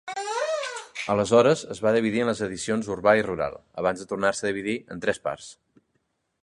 Aleshores es va dividir en les edicions Urbà i Rural, abans de tornar-se a dividir en tres parts.